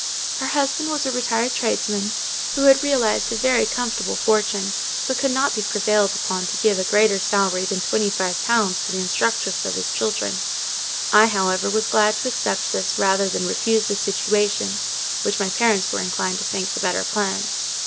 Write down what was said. Her husband was a retired tradesman, who had realized a very comfortable fortune; but could not be prevailed upon to give a greater salary than twenty five pounds to the instructress of his children. I, however, was glad to accept this, rather than refuse the situation—which my parents were inclined to think the better plan.